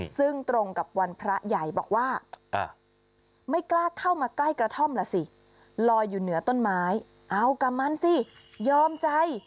ซึ่งตรงกับวันพระใหญ่บอกว่าไม่กล้าเข้ามาใกล้กระท่อมล่ะสิลอยอยู่เหนือต้นไม้เอากับมันสิยอมใจ